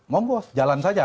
monggo jalan saja